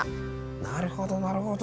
なるほどなるほど。